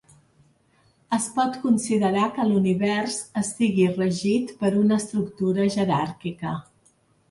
Es pot considerar que l'univers estigui regit per una estructura jeràrquica.